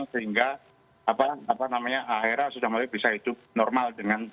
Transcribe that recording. sehingga akhirnya sudah mulai bisa hidup normal dengan